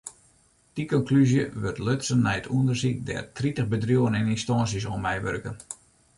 Dy konklúzje wurdt lutsen nei in ûndersyk dêr't tritich bedriuwen en ynstânsjes oan meiwurken.